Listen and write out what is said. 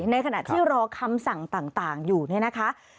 ในขณะที่รอคำสั่งต่างอยู่เนี่ยนะคะ